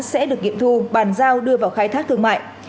sẽ được nghiệm thu bàn giao đưa vào khai thác thương mại